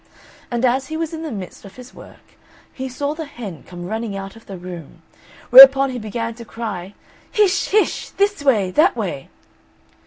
And as he was in the midst of his work, he saw the hen come running out of the room, whereupon he began to cry, "Hish, hish! this way, that way!"